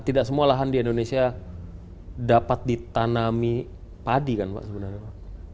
tidak semua lahan di indonesia dapat ditanami padi kan pak sebenarnya pak